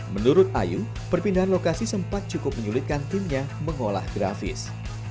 menurut ayu perpindahan lokasi sempat cukup menyulitkan timnya mengolah grafis